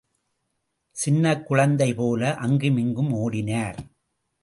சின்னக் குழந்தைபோல, அங்குமிங்கும் ஓடினார்.